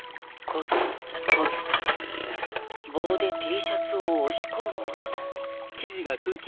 コツコツと棒でＴシャツを押し込む音だ。